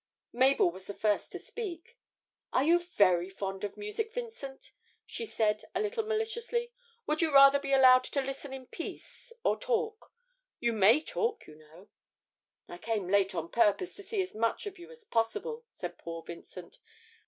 Mabel was the first to speak. 'Are you very fond of music, Vincent?' she said a little maliciously. 'Would you rather be allowed to listen in peace, or talk? You may talk, you know.' 'I came late on purpose to see as much of you as possible,' said poor Vincent.